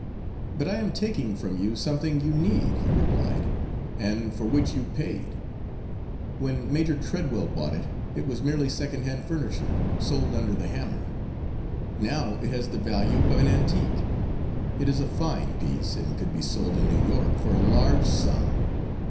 "But I am taking from you something you need," he replied, "and for which you paid. When Major Treadwell bought it, it was merely second hand furniture, sold under the hammer. Now it has the value of an antique it is a fine piece and could be sold in New York for a large sum."